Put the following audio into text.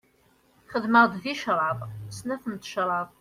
Xedmeɣ-d ticraḍ, snat n tecraḍ.